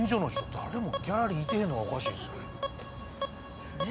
誰もギャラリーいてへんのがおかしいですよ。